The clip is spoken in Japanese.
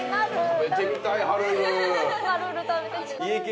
食べてみたい晴るる！